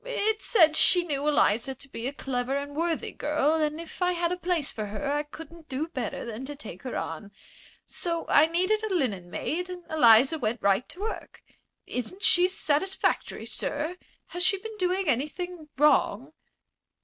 "It said she knew Eliza to be a clever and worthy girl, and if I had a place for her I couldn't do better than take her on. So I needed a linen maid and Eliza went right to work. Isn't she satisfactory, sir? Has she been doing anything wrong?"